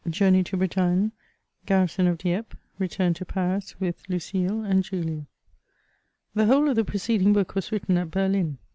JOURNBY TO B1^9TAONS <rOARRISON Of DIEPPE — RETURN TO PARIS WITH LT7CIXE AND JULIA. The whole of the preceding book was written at Berlin.